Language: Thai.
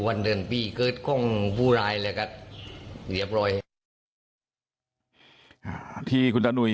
วันเดือนปีเกิดข้องภูรายเลยครับเหลียบร้อยที่คุณตานุย